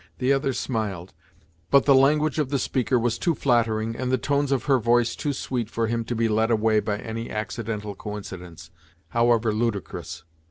The other smiled; but the language of the speaker was too flattering, and the tones of her voice too sweet for him to be led away by any accidental coincidence, however ludicrous.